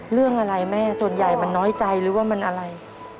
เรื่องอะไรแม่ส่วนใหญ่มันน้อยใจหรือว่ามันอะไร